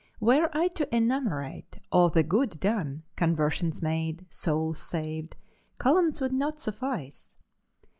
"Were I to enumerate all the good done, conversions made, souls saved, columns would not suffice.